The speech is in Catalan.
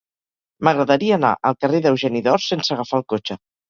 M'agradaria anar al carrer d'Eugeni d'Ors sense agafar el cotxe.